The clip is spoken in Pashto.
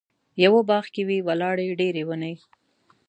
یوه باغ کې وې ولاړې ډېرې ونې.